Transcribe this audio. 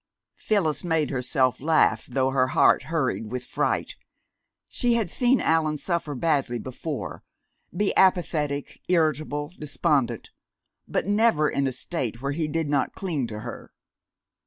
Phyllis made herself laugh, though her heart hurried with fright. She had seen Allan suffer badly before be apathetic, irritable, despondent, but never in a state where he did not cling to her.